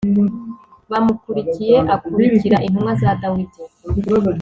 bamukurikiye akurikira intumwa za Dawidi